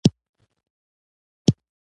لکه څپې لمبیږي